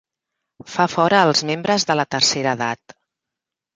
Fa fora els membres de la tercera edat.